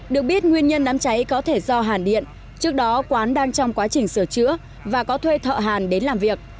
được biết nguyên nhân đám cháy có thể do hàn điện trước đó quán đang trong quá trình sửa chữa và có thuê thợ hàn đến làm việc